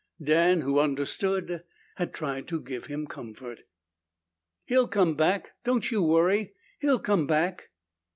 Dan, who understood, had tried to give him comfort. "He'll come back. Don't you worry. He'll come back."